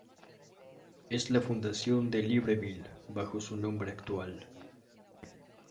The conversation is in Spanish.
Es la fundación de Libreville bajo su nombre actual.